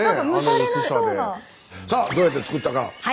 さあどうやって作ったか。